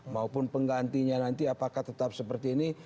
maupun penggantinya nanti apakah tetap seperti ini